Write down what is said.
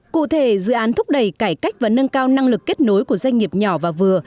cụ thể dự án thúc đẩy cải cách và nâng cao năng lực kết nối của doanh nghiệp nhỏ và vừa